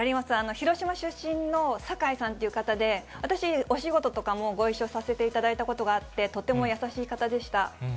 広島出身の坂井さんという方で、私、お仕事とかもご一緒させていただいたことがあって、とても優しい方でした。